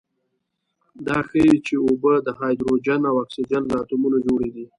دا ښيي چې اوبه د هایدروجن او اکسیجن له اتومونو جوړې دي.